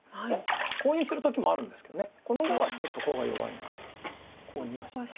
コウにする時もあるんですけどこの碁はちょっとコウが弱いのでコウにはしないです。